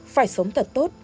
phải sống thật tốt